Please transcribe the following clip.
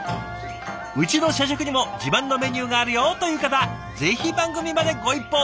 「うちの社食にも自慢のメニューがあるよ！」という方ぜひ番組までご一報を。